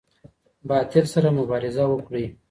باطل سره مبارزه وکړئ.